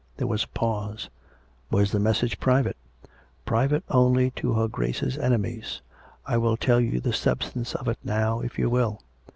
There was a pause. " Was the message private ?"" Private only to her Grace's enemies. I will tell you the substance of it now, if you will."